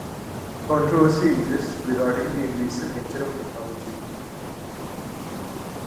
Controversy exists regarding the invasive nature of the technology.